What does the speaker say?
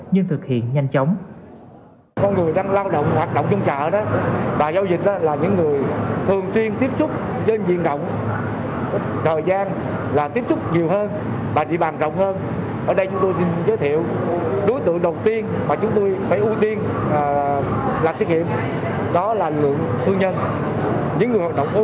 nhưng thực hiện nhanh chóng